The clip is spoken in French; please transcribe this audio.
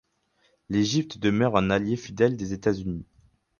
L'Égypte demeure un allié fidèle des États-Unis.